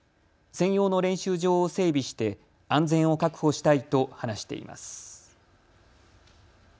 専用の練習場を整備して安全を確保したいと話しています。